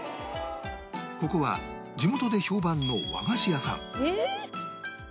ここは地元で評判の和菓子屋さん